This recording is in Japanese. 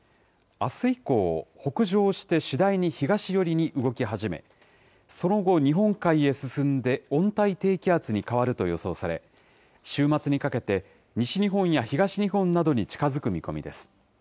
あす以降、北上して次第に東寄りに動き始め、その後、日本海へ進んで温帯低気圧に変わると予想され、週末にかけて、西日本や東日本などに近づく見込みです。